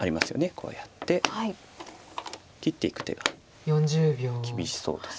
こうやって切っていく手が厳しそうです。